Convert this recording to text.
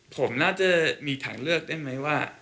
ผมน่าจะมีถังเลือกได้ไหมว่า